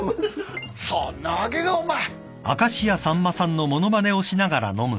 そんなわけがお前。